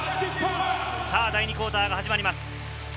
第２クオーターが始まります。